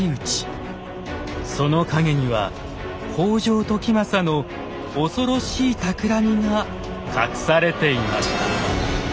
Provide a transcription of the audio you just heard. その陰には北条時政の恐ろしいたくらみが隠されていました。